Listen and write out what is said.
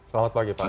selamat pagi pak